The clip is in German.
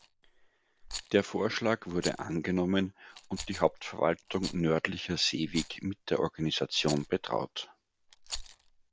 Der Vorschlag wurde angenommen und die Hauptverwaltung Nördlicher Seeweg mit der Organisation betraut.